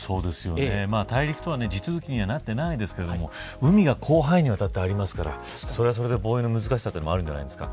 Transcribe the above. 大陸続きになっていませんけど海が広範囲に渡ったりますからそれはそれで防衛の難しさもあるんじゃないですか。